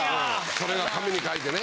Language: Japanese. それが紙に書いてね。